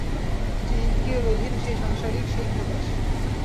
যে ইন্দ্রিয়ের অধীন, সেই সংসারিক, সেই ক্রীতদাস।